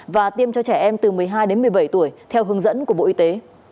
và tiêm cho trẻ em từ một mươi hai đến một mươi bảy tuổi theo hướng dẫn của bộ y tế